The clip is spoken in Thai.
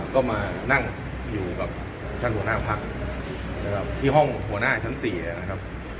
ก็มานั่งอยู่กับท่านหัวหน้าพักนะครับที่ห้องหัวหน้าชั้น๔นะครับ